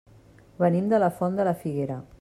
Venim de la Font de la Figuera.